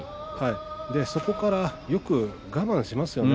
そこからよく我慢しましたね。